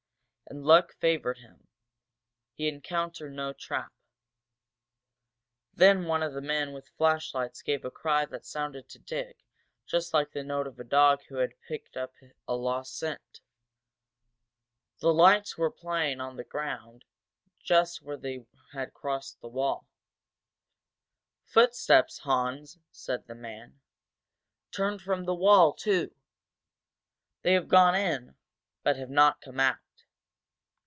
And luck favored him. He encountered no trap. Then one of the men with flashlights gave a cry that sounded to Dick just like the note of a dog that has picked up a lost scent. The lights were playing on the ground just where they had crossed the wall. "Footsteps, Hans!" said the man. "Turned from the wall, too! They have gone in, but have not come out."